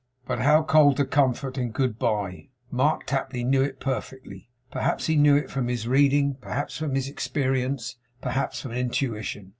But how cold the comfort in Good bye! Mark Tapley knew it perfectly. Perhaps he knew it from his reading, perhaps from his experience, perhaps from intuition.